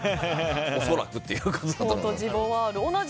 恐らくっていう感じ。